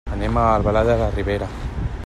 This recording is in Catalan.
Anem a Albalat de la Ribera.